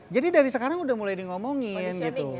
jadi dari sekarang udah mulai di ngomongin gitu